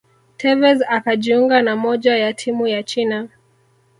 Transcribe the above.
tevez akajiunga na moja ya timu ya China